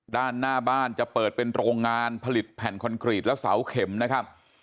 ด้านหน้าบ้านจะเปิดเป็นโรงงานผลิตแผ่นคอนกรีตและเสาเข็มนะครับ